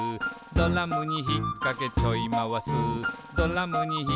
「ドラムにひっかけちょいまわす」